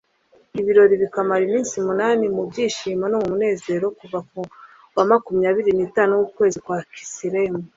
ibirori bikamara iminsi munani mu byishimo no mu munezero, kuva ku wa makumyabiri n'itanu w'ukwezi kwa kisilewu